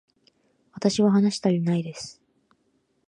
私は話したりないです